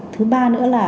thứ ba nữa là